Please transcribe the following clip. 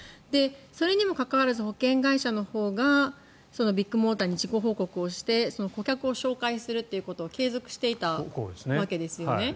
それにもかかわらず保険会社のほうがビッグモーターに事故報告をして顧客を紹介することを継続していたわけですよね。